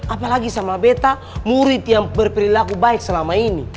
apalagi sama beta murid yang berperilaku baik selama ini